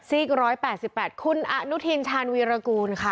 สีกร้อยแปดสิบแปดคุณอะนุธินทานวีรกูลค่ะ